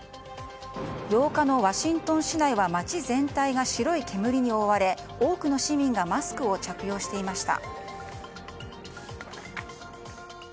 ８日のワシントン市内は街全体が白い煙に覆われ多くの市民がマスクを着用していました。